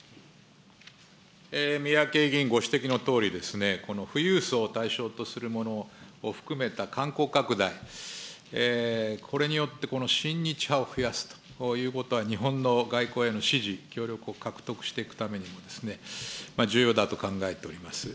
三宅委員、ご指摘のとおり、富裕層を対象とするものを含めた観光拡大、これによってこの親日派を増やすということは日本の外交への支持、協力を獲得していくためにも重要だと考えております。